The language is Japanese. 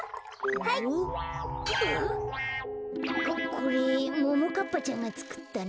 これももかっぱちゃんがつくったの？